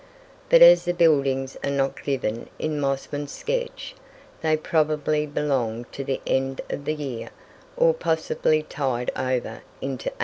But as the buildings are not given in Mossman's sketch, they probably belong to the end of the year, or possibly tide over into 1841.